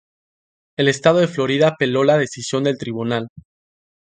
El estado de Florida apeló la decisión del tribunal.